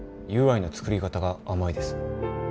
「ＵＩの作り方が甘いです」